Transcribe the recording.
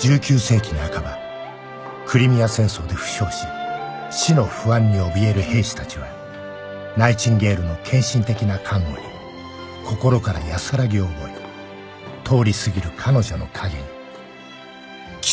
１９世紀半ばクリミア戦争で負傷し死の不安におびえる兵士たちはナイチンゲールの献身的な看護に心から安らぎを覚え通りすぎる彼女の影にキスをしたという